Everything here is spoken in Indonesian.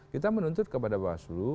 kita menuntut kepada basulu